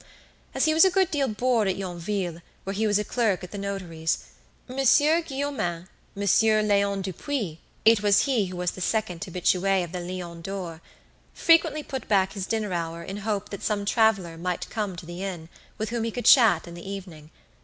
As he was a good deal bored at Yonville, where he was a clerk at the notary's, Monsieur Guillaumin, Monsieur Léon Dupuis (it was he who was the second habitue of the "Lion d'Or") frequently put back his dinner hour in hope that some traveler might come to the inn, with whom he could chat in the evening.